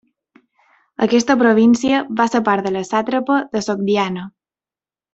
Aquesta província va ser part de la sàtrapa de Sogdiana.